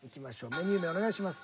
メニュー名お願いします。